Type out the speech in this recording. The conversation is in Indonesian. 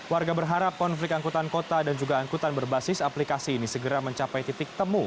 warga berharap konflik angkutan kota dan juga angkutan berbasis aplikasi ini segera mencapai titik temu